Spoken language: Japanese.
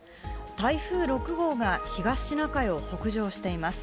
台風６号が東シナ海を北上しています。